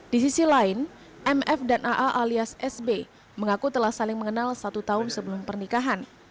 di sisi lain mf dan aa alias sb mengaku telah saling mengenal satu tahun sebelum pernikahan